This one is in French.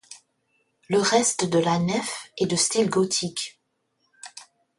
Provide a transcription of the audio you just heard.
Le reste de la nef est de style gothique.